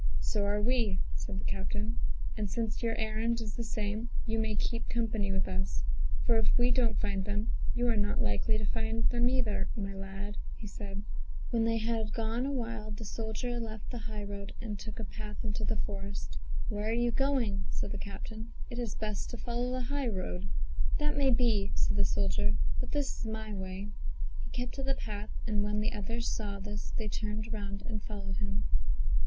"So are we," said the captain, "and since your errand is the same, you may keep company with us, for if we don't find them, you are not likely to find them either, my lad," said he. When they had gone awhile the soldier left the high road, and took a path into the forest. "Where are you going?" said the captain; "it is best to follow the high road." "That may be," said the soldier, "but this is my way." He kept to the path, and when the others saw this they turned round and followed him.